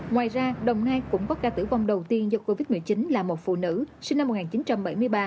ngoài ra đồng nai cũng có ca tử vong đầu tiên do covid một mươi chín là một phụ nữ sinh năm một nghìn chín trăm bảy mươi ba